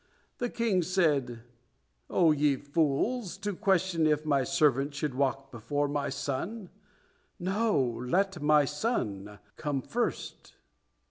The king said, "O ye fools, to question if my servant should walk before my son! No, let my son come first!"